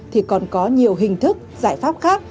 thì còn có nhiều hình thức giải pháp khác